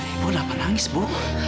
ibu kenapa nangis ibu